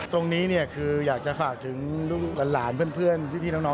ตรงนี้ก็อยากจะฝากทุกหลานเพื่อน